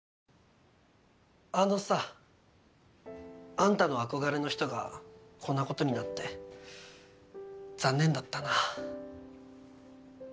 あのさあんたの憧れの人がこんなことになって残念だったな。